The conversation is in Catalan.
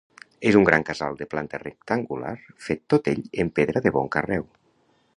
És un gran Casal de planta rectangular fet tot ell en pedra de bon carreu.